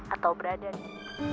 atau berada di